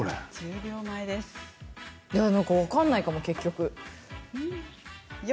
分かんないかも、結局。